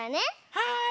はい！